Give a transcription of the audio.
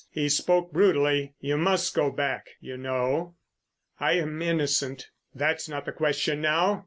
He spoke brutally. "You must go back, you know." "I am innocent." "That's not the question now.